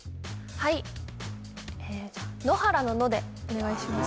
はいじゃあ野原の「野」でお願いします